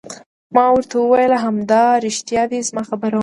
ما ورته وویل: همدارښتیا دي، زما خبره ومنه.